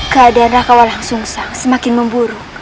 keadaan raden walang sungsa semakin memburuk